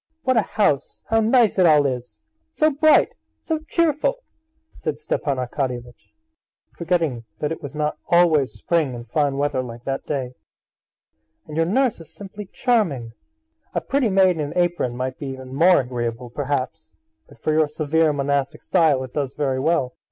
What a house, how nice it all is! So bright, so cheerful!" said Stepan Arkadyevitch, forgetting that it was not always spring and fine weather like that day. "And your nurse is simply charming! A pretty maid in an apron might be even more agreeable, perhaps; but for your severe monastic style it does very well."